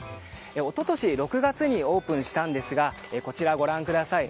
一昨年６月にオープンしたんですがこちらご覧ください。